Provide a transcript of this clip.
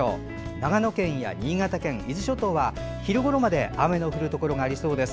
長野県や新潟県、伊豆諸島は昼ごろまで雨の降るところがありそうです。